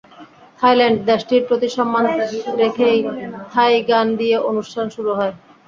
Thailand দেশটির প্রতি সম্মান রেখেই থাই গান দিয়ে অনুষ্ঠান শুরু হয়।